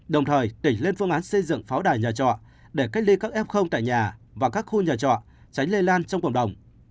đồng thời tỉnh lên phương án xây dựng pháo đài nhà trọ để cách ly các f tại nhà và các khu nhà trọ tránh lây lan trong cộng đồng